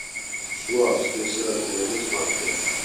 შუა ავსტრიისა და ტიროლის მმართველი.